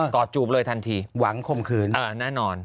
อดจูบเลยทันทีหวังคมคืนแน่นอน